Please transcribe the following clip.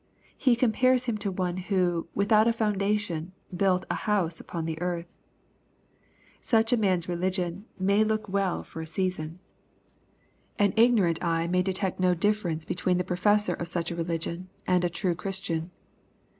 He com pares him to one who, " without a foundation, built an house upon the earth." Such a man's religion may look well for a season. Au LUKE, CHAP. VI. 197 Ignorant eye may detect no difference between the possessor of such a religion, and a true Christian.